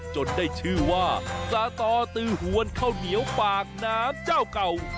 ได้ชื่อว่าสาตอตือหวนข้าวเหนียวปากน้ำเจ้าเก่า